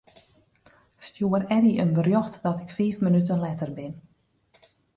Stjoer Eddy in berjocht dat ik fiif minuten letter bin.